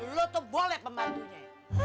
lo tuh boleh pembantunya